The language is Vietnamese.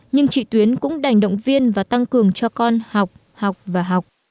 nhưng trị tuyển cũng đành động viên và tăng cường cho con học học và học